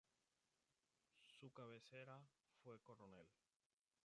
Su cabecera fue Coronel.